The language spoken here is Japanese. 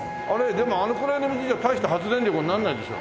でもあのくらいの水じゃ大した発電力になんないでしょ？